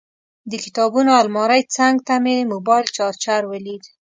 د کتابونو المارۍ څنګ ته مې موبایل چارجر ولید.